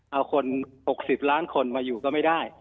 เอาคน๖๐ล้านคนมาอยู่ก็ไม่ได้